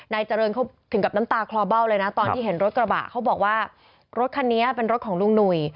เจริญเขาถึงกับน้ำตาคลอเบ้าเลยนะตอนที่เห็นรถกระบะเขาบอกว่ารถคันนี้เป็นรถของลุงหนุ่ย